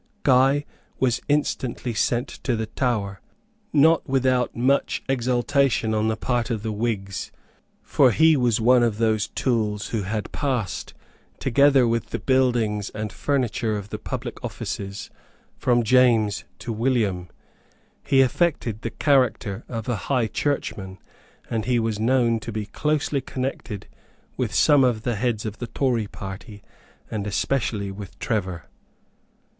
Guy was instantly sent to the Tower, not without much exultation on the part of the Whigs; for he was one of those tools who had passed, together with the buildings and furniture of the public offices, from James to William; he affected the character of a High Churchman; and he was known to be closely connected with some of the heads of the Tory party, and especially with Trevor.